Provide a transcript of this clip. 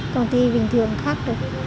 công ty bình thường khác được